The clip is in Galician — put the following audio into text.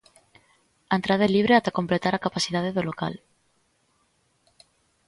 A entrada é libre ata completar a capacidade do local.